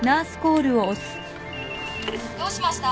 どうしました？